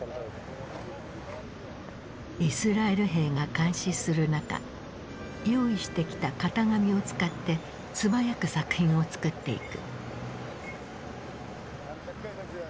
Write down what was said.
イスラエル兵が監視する中用意してきた型紙を使って素早く作品を作っていく。